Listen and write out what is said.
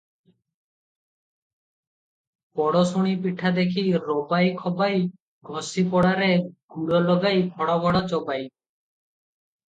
'ପଡ଼ୋଶୁଣୀ ପିଠା ଦେଖି ରବାଇ ଖବାଇ, ଘଷିଫଡାରେ ଗୁଡ ଲଗାଇ ଭଡ଼ ଭଡ଼ ଚୋବାଇ ।'